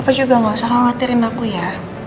apa juga nggak usah kau khawatirin aku ya